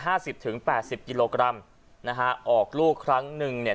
สิบถึงแปดสิบกิโลกรัมนะฮะออกลูกครั้งหนึ่งเนี่ย